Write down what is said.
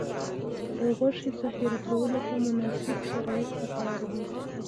د غوښې ذخیره کولو ته مناسب شرایط پکار دي.